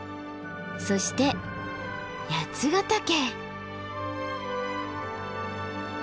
そして八ヶ岳。